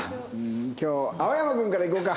今日青山君からいこうか。